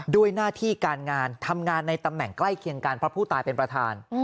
ด้วยหน้าที่การงานทำงานในตำแหน่งใกล้เคียงกันเพราะผู้ตายเป็นประธาน